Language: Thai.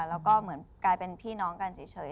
แล้วก็เหมือนกลายเป็นพี่น้องกันเฉย